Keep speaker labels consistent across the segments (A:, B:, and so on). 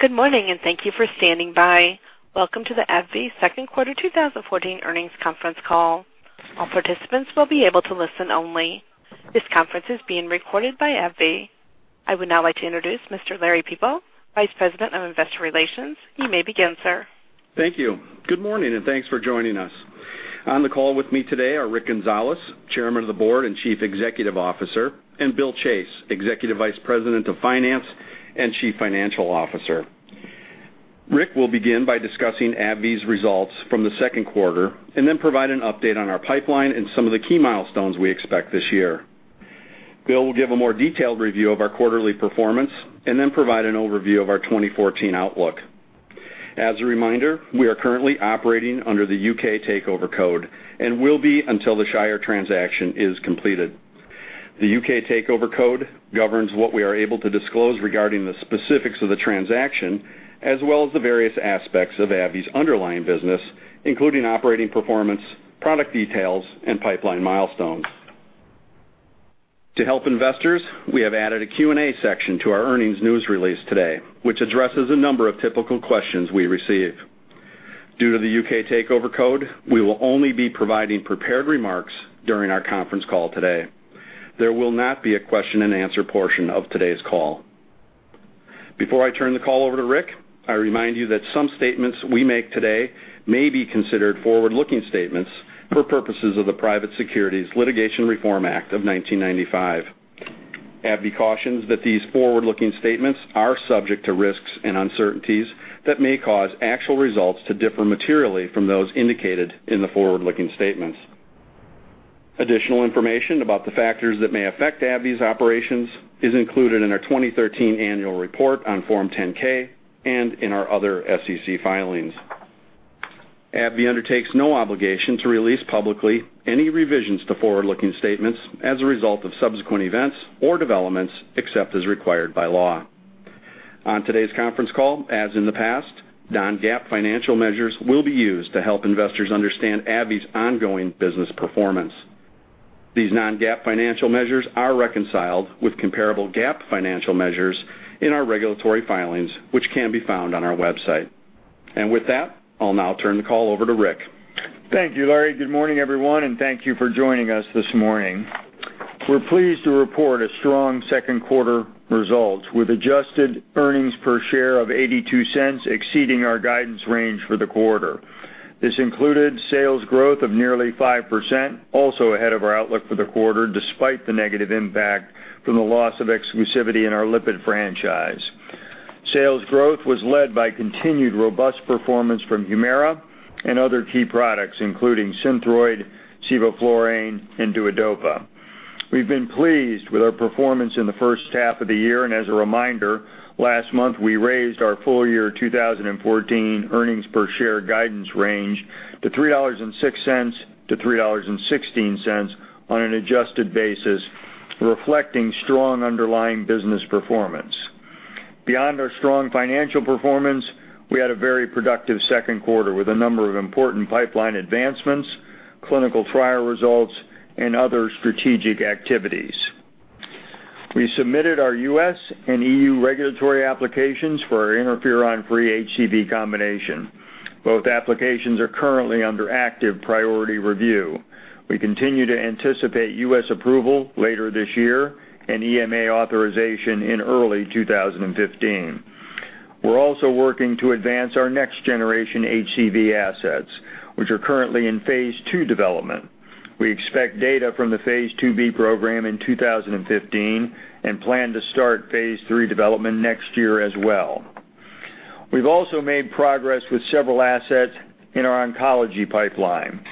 A: Good morning, and thank you for standing by. Welcome to the AbbVie Second Quarter 2014 Earnings Conference Call. All participants will be able to listen only. This conference is being recorded by AbbVie. I would now like to introduce Mr. Larry Peepo, Vice President of Investor Relations. You may begin, sir.
B: Thank you. Good morning, and thanks for joining us. On the call with me today are Rick Gonzalez, Chairman of the Board and Chief Executive Officer, and Bill Chase, Executive Vice President of Finance and Chief Financial Officer. Rick will begin by discussing AbbVie's results from the second quarter and then provide an update on our pipeline and some of the key milestones we expect this year. Bill will give a more detailed review of our quarterly performance and then provide an overview of our 2014 outlook. As a reminder, we are currently operating under the U.K. Takeover Code and will be until the Shire transaction is completed. The U.K. Takeover Code governs what we are able to disclose regarding the specifics of the transaction, as well as the various aspects of AbbVie's underlying business, including operating performance, product details, and pipeline milestones. To help investors, we have added a Q&A section to our earnings news release today, which addresses a number of typical questions we receive. Due to the U.K. Takeover Code, we will only be providing prepared remarks during our conference call today. There will not be a question and answer portion of today's call. Before I turn the call over to Rick, I remind you that some statements we make today may be considered forward-looking statements for purposes of the Private Securities Litigation Reform Act of 1995. AbbVie cautions that these forward-looking statements are subject to risks and uncertainties that may cause actual results to differ materially from those indicated in the forward-looking statements. Additional information about the factors that may affect AbbVie's operations is included in our 2013 annual report on Form 10-K and in our other SEC filings. AbbVie undertakes no obligation to release publicly any revisions to forward-looking statements as a result of subsequent events or developments, except as required by law. On today's conference call, as in the past, non-GAAP financial measures will be used to help investors understand AbbVie's ongoing business performance. These non-GAAP financial measures are reconciled with comparable GAAP financial measures in our regulatory filings, which can be found on our website. With that, I'll now turn the call over to Rick.
C: Thank you, Larry. Good morning, everyone, Thank you for joining us this morning. We're pleased to report a strong second quarter result with adjusted earnings per share of $0.82, exceeding our guidance range for the quarter. This included sales growth of nearly 5%, also ahead of our outlook for the quarter, despite the negative impact from the loss of exclusivity in our lipid franchise. Sales growth was led by continued robust performance from HUMIRA and other key products, including SYNTHROID, Sevoflurane, and DUODOPA. We've been pleased with our performance in the first half of the year. As a reminder, last month, we raised our full year 2014 earnings per share guidance range to $3.06 to $3.16 on an adjusted basis, reflecting strong underlying business performance. Beyond our strong financial performance, we had a very productive second quarter with a number of important pipeline advancements, clinical trial results, and other strategic activities. We submitted our U.S. and EU regulatory applications for our interferon-free HCV combination. Both applications are currently under active priority review. We continue to anticipate U.S. approval later this year and EMA authorization in early 2015. We're also working to advance our next generation HCV assets, which are currently in phase II development. We expect data from the phase II-B program in 2015 plan to start phase III development next year as well. We've also made progress with several assets in our oncology pipeline.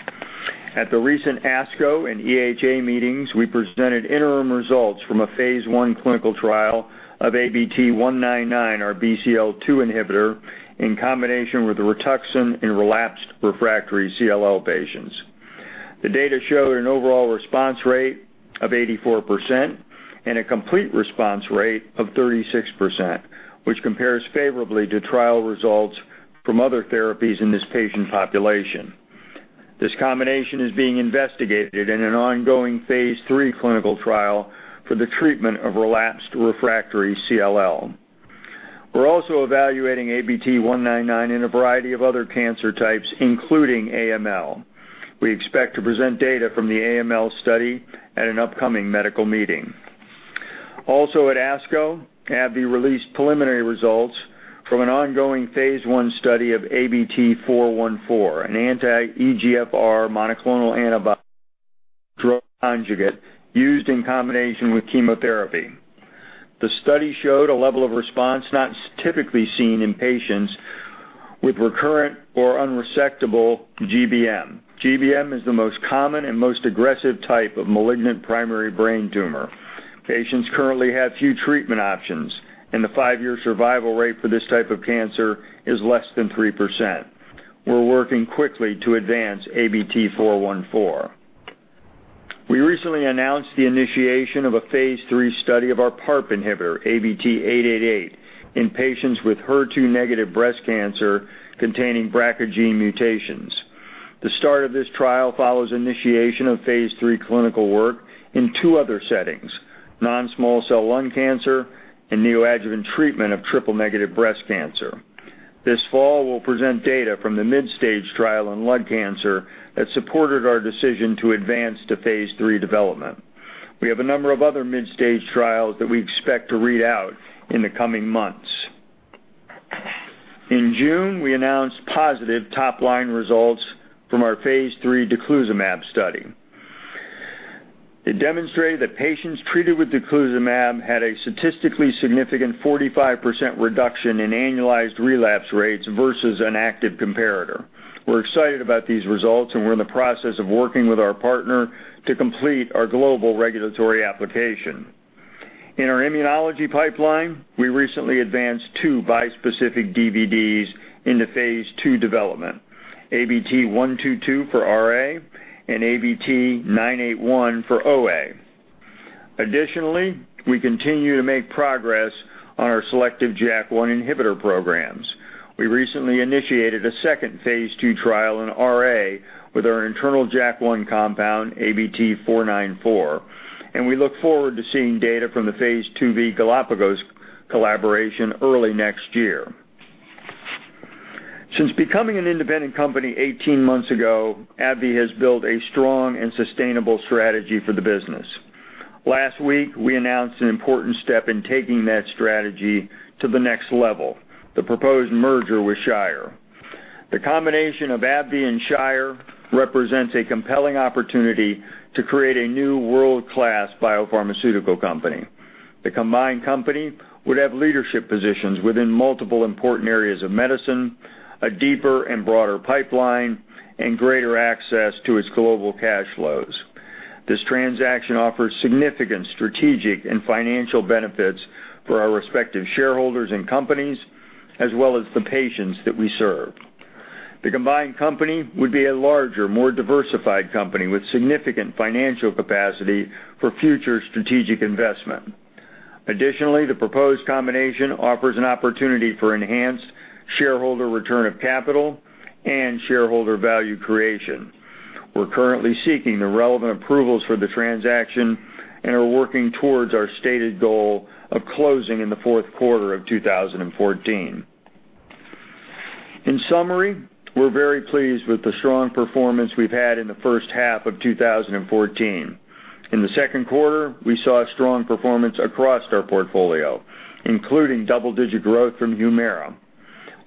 C: At the recent ASCO and EHA meetings, we presented interim results from a phase I clinical trial of ABT-199, our BCL-2 inhibitor, in combination with RITUXAN in relapsed refractory CLL patients. The data showed an overall response rate of 84% and a complete response rate of 36%, which compares favorably to trial results from other therapies in this patient population. This combination is being investigated in an ongoing phase III clinical trial for the treatment of relapsed refractory CLL. We're also evaluating ABT-199 in a variety of other cancer types, including AML. We expect to present data from the AML study at an upcoming medical meeting. Also at ASCO, AbbVie released preliminary results from an ongoing phase I study of ABT-414, an anti-EGFR monoclonal antibody-drug conjugate used in combination with chemotherapy. The study showed a level of response not typically seen in patients with recurrent or unresectable GBM. GBM is the most common and most aggressive type of malignant primary brain tumor. Patients currently have few treatment options. The five-year survival rate for this type of cancer is less than 3%. We're working quickly to advance ABT-414. We recently announced the initiation of a phase III study of our PARP inhibitor, ABT-888, in patients with HER2-negative breast cancer containing BRCA gene mutations. The start of this trial follows initiation of phase III clinical work in two other settings: non-small cell lung cancer and neoadjuvant treatment of triple-negative breast cancer. This fall, we'll present data from the mid-stage trial on lung cancer that supported our decision to advance to phase III development. We have a number of other mid-stage trials that we expect to read out in the coming months. In June, we announced positive top-line results from our phase III daclizumab study. It demonstrated that patients treated with daclizumab had a statistically significant 45% reduction in annualized relapse rates versus an active comparator. We're excited about these results, and we're in the process of working with our partner to complete our global regulatory application. In our immunology pipeline, we recently advanced two bispecific DVDs into phase II development, ABT-122 for RA, and ABT-981 for OA. Additionally, we continue to make progress on our selective JAK1 inhibitor programs. We recently initiated a second phase II trial in RA with our internal JAK1 compound, ABT-494, and we look forward to seeing data from the phase IIb Galapagos collaboration early next year. Since becoming an independent company 18 months ago, AbbVie has built a strong and sustainable strategy for the business. Last week, we announced an important step in taking that strategy to the next level, the proposed merger with Shire. The combination of AbbVie and Shire represents a compelling opportunity to create a new world-class biopharmaceutical company. The combined company would have leadership positions within multiple important areas of medicine, a deeper and broader pipeline, and greater access to its global cash flows. This transaction offers significant strategic and financial benefits for our respective shareholders and companies, as well as the patients that we serve. The combined company would be a larger, more diversified company with significant financial capacity for future strategic investment. Additionally, the proposed combination offers an opportunity for enhanced shareholder return of capital and shareholder value creation. We're currently seeking the relevant approvals for the transaction and are working towards our stated goal of closing in the fourth quarter of 2014. In summary, we're very pleased with the strong performance we've had in the first half of 2014. In the second quarter, we saw strong performance across our portfolio, including double-digit growth from HUMIRA.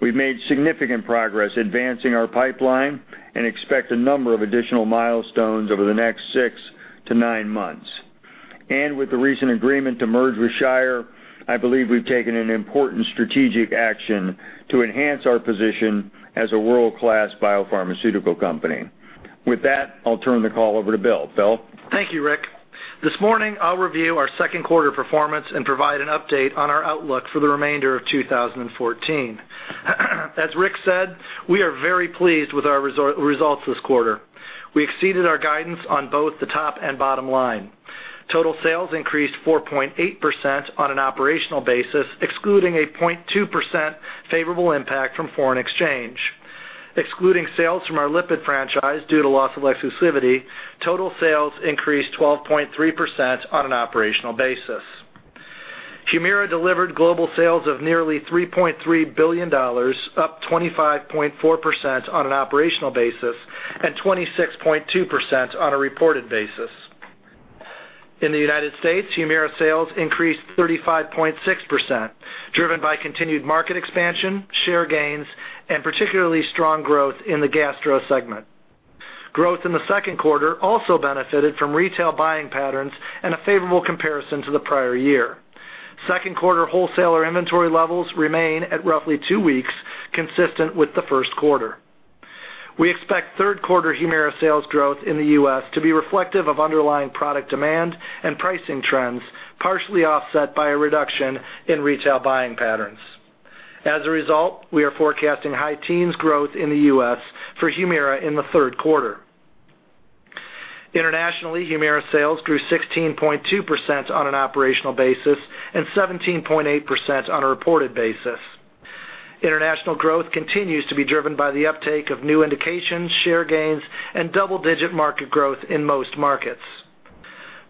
C: We've made significant progress advancing our pipeline and expect a number of additional milestones over the next six to nine months. With the recent agreement to merge with Shire, I believe we've taken an important strategic action to enhance our position as a world-class biopharmaceutical company. With that, I'll turn the call over to Bill. Bill?
D: Thank you, Rick. This morning, I'll review our second quarter performance and provide an update on our outlook for the remainder of 2014. As Rick said, we are very pleased with our results this quarter. We exceeded our guidance on both the top and bottom line. Total sales increased 4.8% on an operational basis, excluding a 0.2% favorable impact from foreign exchange. Excluding sales from our lipid franchise due to loss of exclusivity, total sales increased 12.3% on an operational basis. HUMIRA delivered global sales of nearly $3.3 billion, up 25.4% on an operational basis and 26.2% on a reported basis. In the U.S., HUMIRA sales increased 35.6%, driven by continued market expansion, share gains, and particularly strong growth in the gastro segment. Growth in the second quarter also benefited from retail buying patterns and a favorable comparison to the prior year. Second quarter wholesaler inventory levels remain at roughly two weeks, consistent with the first quarter. We expect third quarter HUMIRA sales growth in the U.S. to be reflective of underlying product demand and pricing trends, partially offset by a reduction in retail buying patterns. As a result, we are forecasting high teens growth in the U.S. for HUMIRA in the third quarter. Internationally, HUMIRA sales grew 16.2% on an operational basis and 17.8% on a reported basis. International growth continues to be driven by the uptake of new indications, share gains, and double-digit market growth in most markets.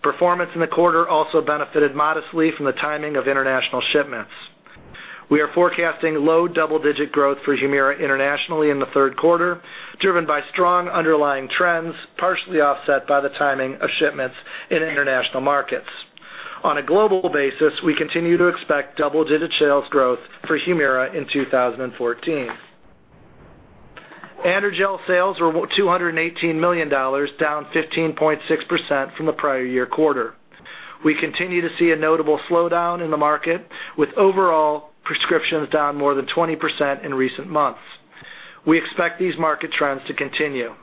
D: Performance in the quarter also benefited modestly from the timing of international shipments. We are forecasting low double-digit growth for HUMIRA internationally in the third quarter, driven by strong underlying trends, partially offset by the timing of shipments in international markets. On a global basis, we continue to expect double-digit sales growth for HUMIRA in 2014. AndroGel sales were $218 million, down 15.6% from the prior year quarter. We continue to see a notable slowdown in the market, with overall prescriptions down more than 20% in recent months. We expect these market trends to continue.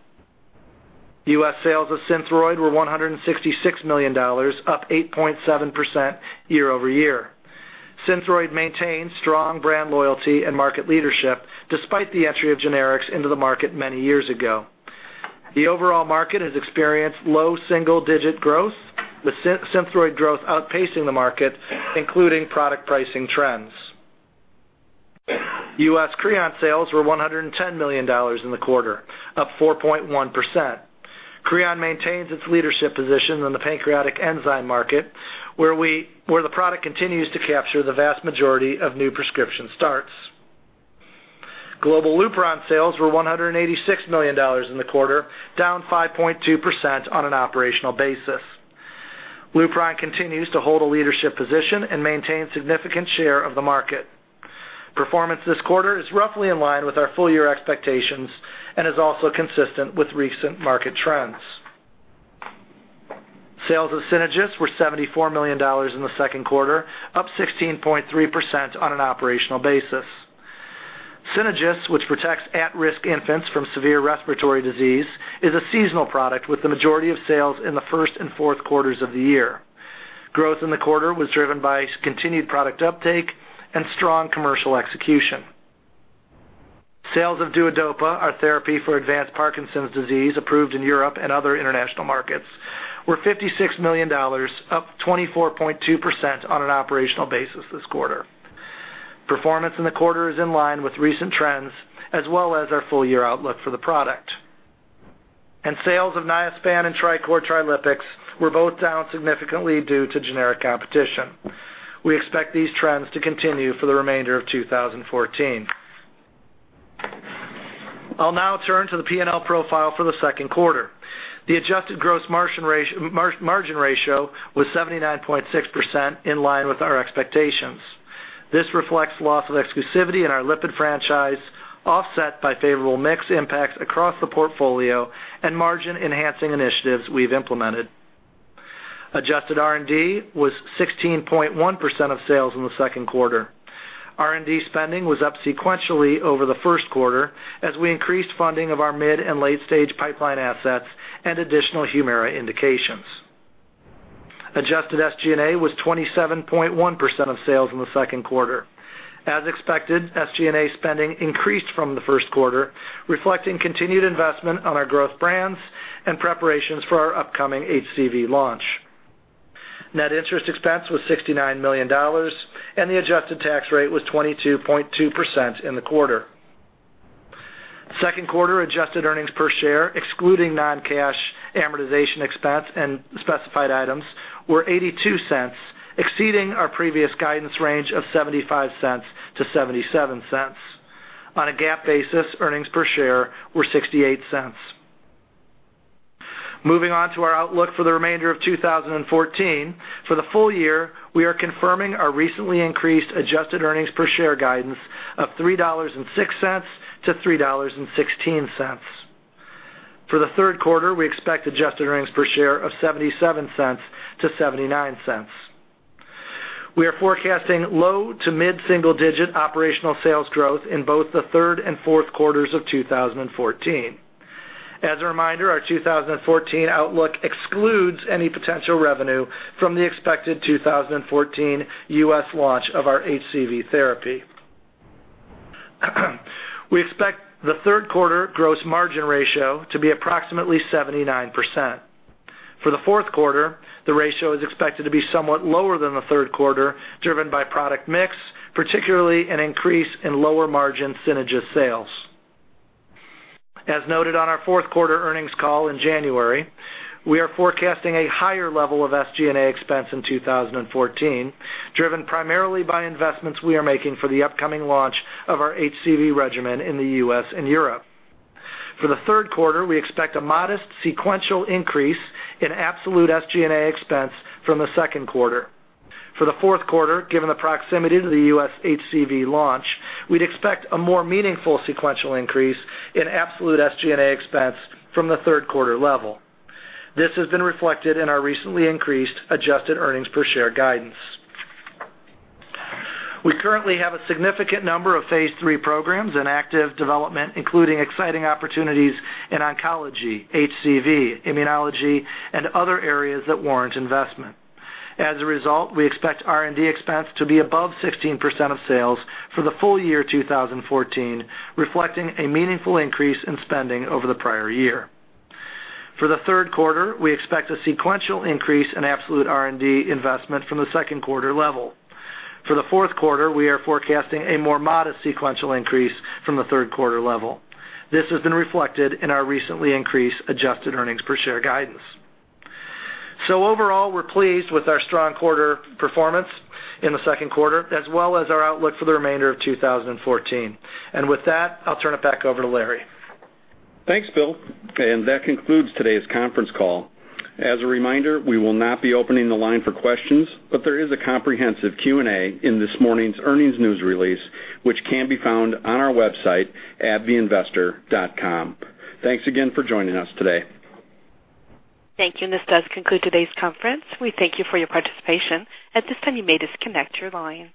D: U.S. sales of SYNTHROID were $166 million, up 8.7% year-over-year. SYNTHROID maintains strong brand loyalty and market leadership, despite the entry of generics into the market many years ago. The overall market has experienced low single-digit growth, with SYNTHROID growth outpacing the market, including product pricing trends. U.S. CREON sales were $110 million in the quarter, up 4.1%. CREON maintains its leadership position in the pancreatic enzyme market, where the product continues to capture the vast majority of new prescription starts. Global LUPRON sales were $186 million in the quarter, down 5.2% on an operational basis. LUPRON continues to hold a leadership position and maintain significant share of the market. Performance this quarter is roughly in line with our full-year expectations and is also consistent with recent market trends. Sales of SYNAGIS were $74 million in the second quarter, up 16.3% on an operational basis. SYNAGIS, which protects at-risk infants from severe respiratory disease, is a seasonal product with the majority of sales in the first and fourth quarters of the year. Growth in the quarter was driven by continued product uptake and strong commercial execution. Sales of DUODOPA, our therapy for advanced Parkinson's disease, approved in Europe and other international markets, were $56 million, up 24.2% on an operational basis this quarter. Performance in the quarter is in line with recent trends, as well as our full-year outlook for the product. Sales of NIASPAN and Tricor/Trilipix were both down significantly due to generic competition. We expect these trends to continue for the remainder of 2014. I'll now turn to the P&L profile for the second quarter. The adjusted gross margin ratio was 79.6%, in line with our expectations. This reflects loss of exclusivity in our lipid franchise, offset by favorable mix impacts across the portfolio and margin-enhancing initiatives we've implemented. Adjusted R&D was 16.1% of sales in the second quarter. R&D spending was up sequentially over the first quarter as we increased funding of our mid and late-stage pipeline assets and additional HUMIRA indications. Adjusted SG&A was 27.1% of sales in the second quarter. As expected, SG&A spending increased from the first quarter, reflecting continued investment on our growth brands and preparations for our upcoming HCV launch. Net interest expense was $69 million, and the adjusted tax rate was 22.2% in the quarter. Second quarter adjusted earnings per share, excluding non-cash amortization expense and specified items, were $0.82, exceeding our previous guidance range of $0.75-$0.77. On a GAAP basis, earnings per share were $0.68. Moving on to our outlook for the remainder of 2014. For the full year, we are confirming our recently increased adjusted earnings per share guidance of $3.06-$3.16. For the third quarter, we expect adjusted earnings per share of $0.77-$0.79. We are forecasting low to mid-single digit operational sales growth in both the third and fourth quarters of 2014. As a reminder, our 2014 outlook excludes any potential revenue from the expected 2014 U.S. launch of our HCV therapy. We expect the third quarter gross margin ratio to be approximately 79%. For the fourth quarter, the ratio is expected to be somewhat lower than the third quarter, driven by product mix, particularly an increase in lower-margin SYNAGIS sales. As noted on our fourth quarter earnings call in January, we are forecasting a higher level of SG&A expense in 2014, driven primarily by investments we are making for the upcoming launch of our HCV regimen in the U.S. and Europe. For the third quarter, we expect a modest sequential increase in absolute SG&A expense from the second quarter. For the fourth quarter, given the proximity to the U.S. HCV launch, we'd expect a more meaningful sequential increase in absolute SG&A expense from the third quarter level. This has been reflected in our recently increased adjusted earnings per share guidance. We currently have a significant number of phase III programs in active development, including exciting opportunities in oncology, HCV, immunology, and other areas that warrant investment. As a result, we expect R&D expense to be above 16% of sales for the full year 2014, reflecting a meaningful increase in spending over the prior year. For the third quarter, we expect a sequential increase in absolute R&D investment from the second quarter level. For the fourth quarter, we are forecasting a more modest sequential increase from the third quarter level. This has been reflected in our recently increased adjusted earnings per share guidance. Overall, we're pleased with our strong quarter performance in the second quarter, as well as our outlook for the remainder of 2014. With that, I'll turn it back over to Larry.
B: Thanks, Bill. That concludes today's conference call. As a reminder, we will not be opening the line for questions, but there is a comprehensive Q&A in this morning's earnings news release, which can be found on our website at abbvieinvestor.com. Thanks again for joining us today.
A: Thank you. This does conclude today's conference. We thank you for your participation. At this time, you may disconnect your line.